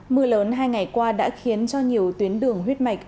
mưa lớn hai ngày qua đã khiến cho nhiều tuyến đường huyết mạch